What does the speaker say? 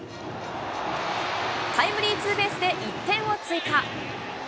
タイムリーツーベースで１点を追加。